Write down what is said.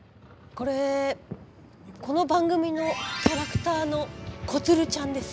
これこの番組のキャラクターのこつるちゃんです。